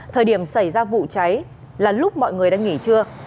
thời điểm xảy ra vụ cháy là lúc mọi người đang nghỉ trưa